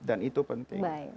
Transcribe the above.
dan itu penting